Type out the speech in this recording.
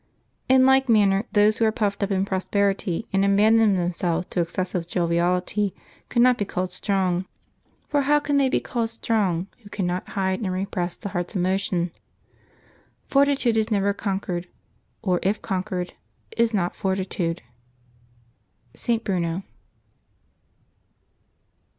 In like manner those who are puffed up in prosperity and abandon them selves to excessive joviality cannot be called strong. For 156 LIVES OF THE SAINTS [Apbil 24 how can they be called strong who cannot hide and repress the heart's emotion? Fortitude is never conquered, or if conquered, is not fortitude." — St. Bruno.